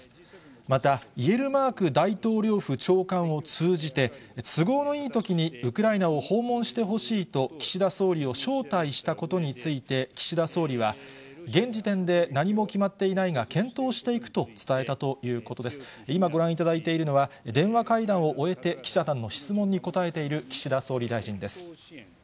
また、イェルマーク大統領府長官を通じて、都合のいいときにウクライナを訪問してほしいと岸田総理を招待したことについて、岸田総理は、現時点で何も決まっていないが検討していくと伝えたということで電話会談を終えて記者団の質問に答えている岸田総理大臣です。